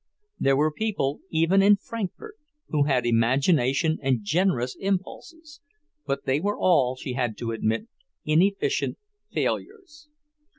There were people, even in Frankfort, who had imagination and generous impulses, but they were all, she had to admit, inefficient failures.